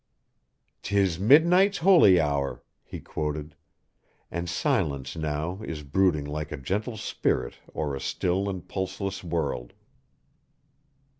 "''Tis midnight's holy hour,'" he quoted, "'and silence now is brooding like a gentle spirit o'er a still and pulseless world.'